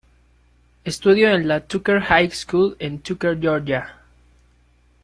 Estudió en la Tucker High School en Tucker, Georgia.